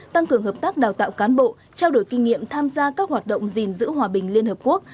tăng cường hợp tác đào tạo cán bộ trao đổi kinh nghiệm tham gia các hoạt động gìn giữ hòa bình liên hợp quốc